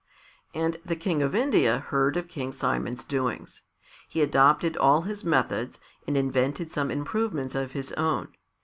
And the King of India heard of King Simon's doings. He adopted all his methods, and invented some improvements of his own.